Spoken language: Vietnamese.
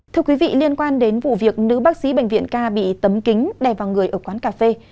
thưa quý vị liên quan đến vụ việc nữ bác sĩ bệnh viện ca bị tấm kính đè vào người ở quán cà phê